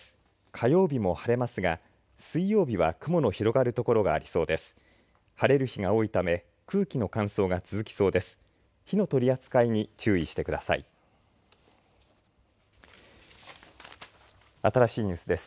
火曜日も晴れますが水曜日は雲の広がる所がありそうです。